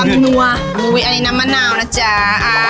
อันนี้มันจะดินแบบสายน้ำมะนาวครับ